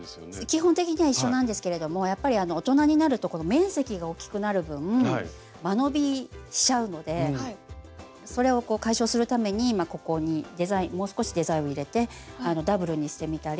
基本的には一緒なんですけれどもやっぱり大人になるとこの面積がおっきくなる分間延びしちゃうのでそれを解消するためにここにもう少しデザインを入れてダブルにしてみたり。